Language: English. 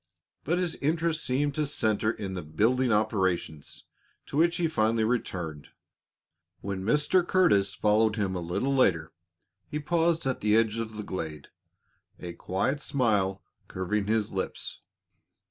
But his interest seemed to center in the building operations, to which he finally returned. When Mr. Curtis followed him a little later, he paused at the edge of the glade, a quiet smile curving his lips.